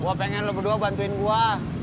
gue pengen lo kedua bantuin gue